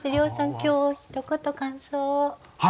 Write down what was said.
今日ひと言感想を。